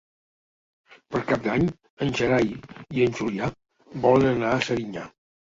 Per Cap d'Any en Gerai i en Julià volen anar a Serinyà.